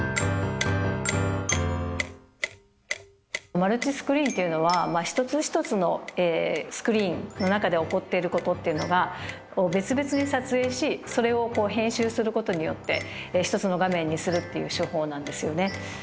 マルチスクリーンっていうのは一つ一つのスクリーンの中で起こっていることっていうのが別々に撮影しそれを編集することによって一つの画面にするっていう手法なんですよね。